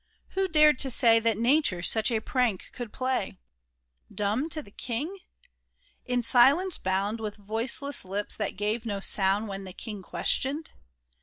Who dared to say That nature such a prank could play ? Dimib to the king ? In silence bound, With voiceless lips that gave no sound When the king questioned